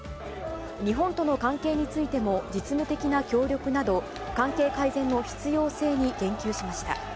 日本との関係についても、実務的な協力など、関係改善の必要性に言及しました。